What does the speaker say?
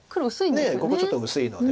ねえここちょっと薄いので。